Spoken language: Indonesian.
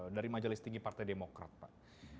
dari majelis tinggi partai demokrat pak